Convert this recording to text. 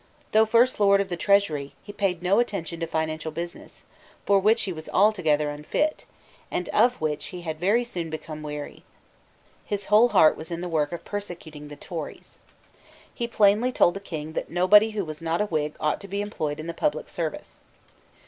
Though First Lord of the Treasury, he paid no attention to financial business, for which he was altogether unfit, and of which he had very soon become weary. His whole heart was in the work of persecuting the Tories. He plainly told the King that nobody who was not a Whig ought to be employed in the public service.